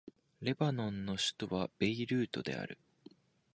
レバノンの首都はベイルートである